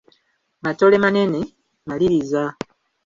Matole manene, maliriza.